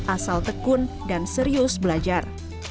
asal tekun dan serius belajar